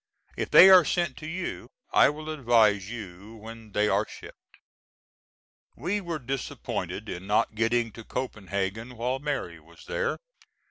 If they are sent to you I will advise you when they are shipped. We were disappointed in not getting to Copenhagen while Mary was there.